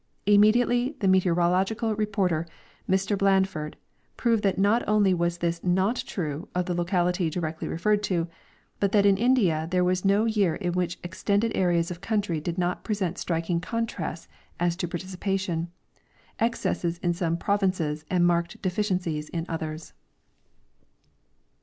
Immediately the meteorological reporter, Mr. Blanford, proved that not only was this not true of the locality directly referred to, but that in India there Was no year in which extended areas of country did not present striking contrasts as to precipitation, excesses in sinne provinces and marked deficiencies in others.